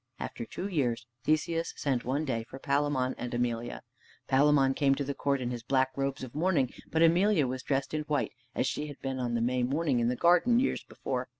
After two years Theseus sent one day for Palamon and Emelia. Palamon came to the court in his black robes of mourning; but Emelia was dressed in white, as she had been on the May morning in the garden years before.